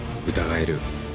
疑える？